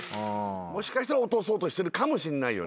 もしかしたら落とそうとしてるかもしんないよね。